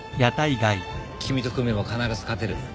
君と組めば必ず勝てる。